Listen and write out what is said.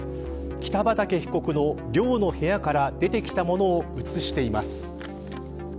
北畠被告の寮の部屋から出てきたものを写しています。